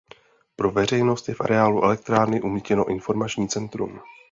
Pro veřejnost je v areálu elektrárny umístěno informační centrum.